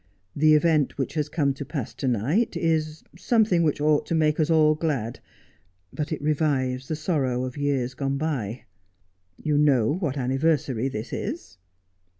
' The event which has come to pass to night is something which ought to make us all glad ; but it revives the sorrow of years gone by. You know what anniversary this is.'